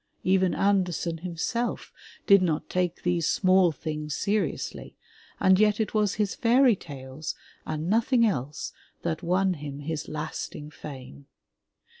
Even Andersen himself did not take these "small things'* seriously, and yet it was his fairy tales and nothing else that won him his lasting fame.